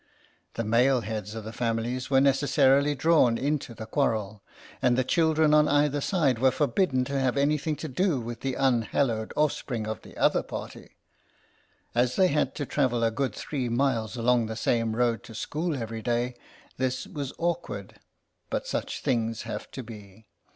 The male heads of the families were necessarily drawn into the quarrel, and the children on either side were forbidden to have anything to do with the unhallowed I 36 BLOOD FEUD OF TOAD WATER offspring of the other party. As they had to travel a good three miles along the same road to school every day, this was awkward, but such things have to be.